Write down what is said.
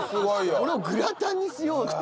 これをグラタンにしようって。